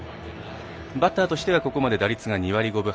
バッターとしてはここまで打率２割５分８厘。